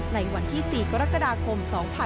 ในวันที่๔กรกฎาคม๒๕๖๒